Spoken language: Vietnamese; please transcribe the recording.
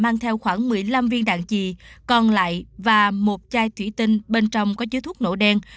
mạo bỏ theo khoảng một mươi năm viên đạn chì còn lại và một chai thủy tinh bên trong có chứa thuốc nổ đen